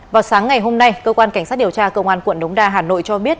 vào sáng ngày hôm nay cơ quan cảnh sát điều tra công an quận đống đa hà nội cho biết